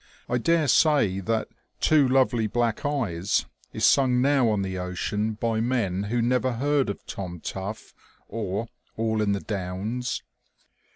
I dare say that " Two Lovely Black Eyes " is sung now on the ocean by men who never heard of " Tom Tough " or '* All in the Downs."